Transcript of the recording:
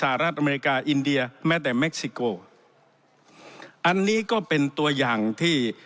สหรัฐอเมริกาอินเดียแม้แต่เม็กซิโกอันนี้ก็เป็นตัวอย่างที่